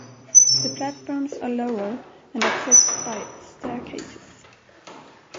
The platforms are lower and accessed by staircases.